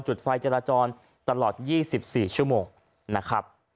จุดไฟจราจรตลอด๒๔ชั่วโมงนะครับ